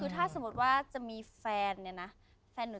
ถ้าสมมติว่าจะมีแฟนเนี่ยนะในที่เราอยู่